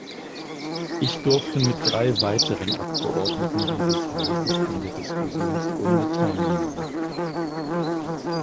Ich durfte mit drei weiteren Abgeordneten dieses Hauses an der Diskussionsrunde teilnehmen.